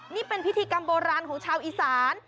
นี่เป็นพิธีกรรมโบราณของชาวอีสาน